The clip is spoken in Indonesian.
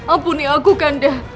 ampuni aku kanda